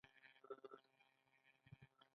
چې کار کوي.